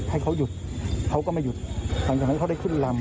ให้เขาหยุดเขาก็ไม่หยุดหลังจากนั้นเขาได้ขึ้นลำ